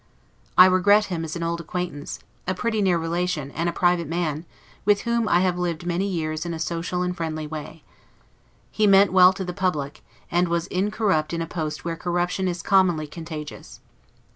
I regret him as an old acquaintance, a pretty near relation, and a private man, with whom I have lived many years in a social and friendly way. He meant well to the public; and was incorrupt in a post where corruption is commonly contagious.